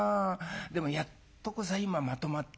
でもやっとこさ今まとまってね